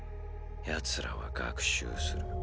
奴らは学習する。